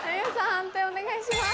判定お願いします。